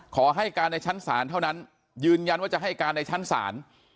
ขอให้การในชั้นศาลเท่านั้นยืนยันว่าจะให้การในชั้นศาล